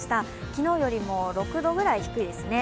昨日よりも６度ぐらい低いですね。